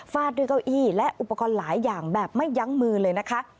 ด้วยเก้าอี้และอุปกรณ์หลายอย่างแบบไม่ยั้งมือเลยนะคะ